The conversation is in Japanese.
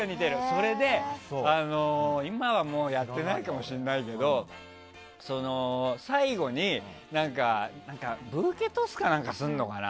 それで今はもうやってないかもしれないけど最後にブーケトスか何かするのかな。